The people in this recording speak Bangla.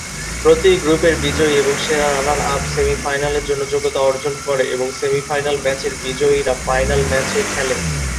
প্রতি গ্রুপের বিজয়ী এবং সেরা রানার-আপ সেমিফাইনালের জন্য যোগ্যতা অর্জন করে এবং সেমিফাইনাল ম্যাচের বিজয়ীরা ফাইনাল ম্যাচে খেলে।